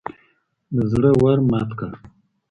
د زړه ور مــات كړ